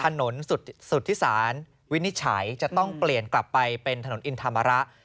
ถนนสุธิศาลวินิจฉัยจะต้องเปลี่ยนกลับไปเป็นถนนอินธรรมระ